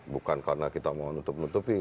bukan karena kita mau nutup nutupi